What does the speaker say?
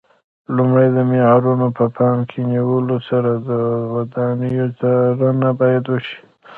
لومړی د معیارونو په پام کې نیولو سره د ودانیو څارنه باید وشي.